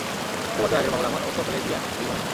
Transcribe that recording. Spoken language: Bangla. এত বছর আগের মহল আমার, ওর দখলে দিয়া দিবো নাকি।